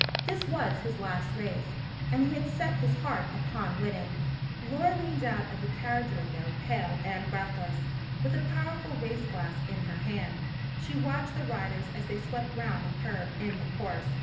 This was his last race, and he had set his heart upon winning. Laura leaned out of the carriage window, pale and breathless, with a powerful race glass in her hand. She watched the riders as they swept round the curve in the course.